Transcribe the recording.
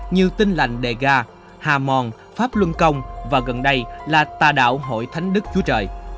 như tin lành đề ga hà mòn pháp luân công và gần đây là tà đạo hội thánh đức chúa trời